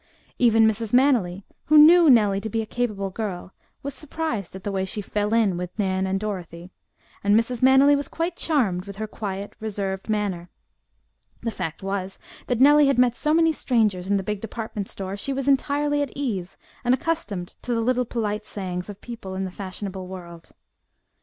Even Mrs. Manily, who knew Nellie to be a capable girl, was surprised at the way she "fell in" with Nan and Dorothy, and Mrs. Manily was quite charmed with her quiet, reserved manner. The fact was that Nellie had met so many strangers in the big department store, she was entirely at ease and accustomed to the little polite sayings of people in the fashionable world.